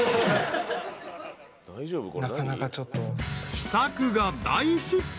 ［秘策が大失敗。